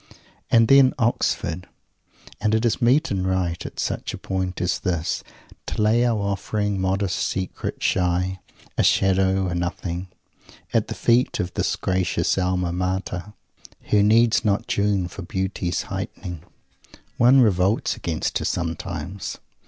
And then Oxford. And it is meet and right, at such a point as this, to lay our offering, modest, secret, shy a shadow, a nothing at the feet of this gracious Alma Mater; "who needs not June for Beauty's heightening!" One revolts against her sometimes.